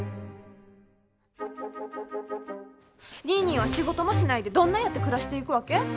ニーニーは仕事もしないでどんなやって暮らしていくわけ？